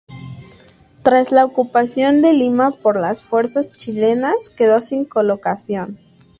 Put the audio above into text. Tras la ocupación de Lima por las fuerzas chilenas, quedó sin colocación.